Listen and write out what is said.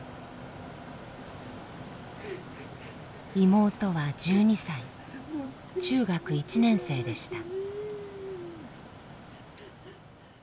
妹は１２歳中学１年生でした。